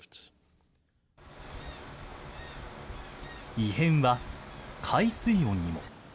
異変は海水温にも。